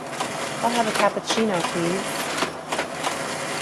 I'll have a cappuccino please.